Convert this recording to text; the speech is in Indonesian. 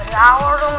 dari awal dong